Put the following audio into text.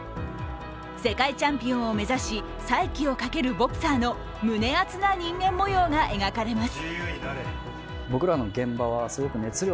世界チャンピオンを目指し、再起をかけるボクサーの胸熱な人間もようが描かれます。